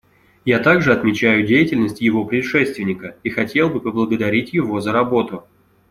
Я также отмечаю деятельность его предшественника и хотел бы поблагодарить его за работу.